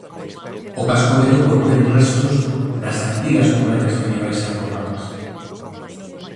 O casco vello contén restos das antigas murallas medievais e romanas.